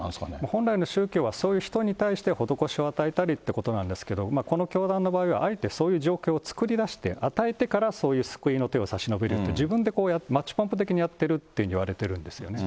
本来の宗教は、そういう人に対して施しを与えたりってことなんですけど、この教団の場合はあえてそういう状況を作り出して、与えてから、そういう救いの手を差し伸べるって、自分でマッチポンプ的にやってるっていわれてるんですよね。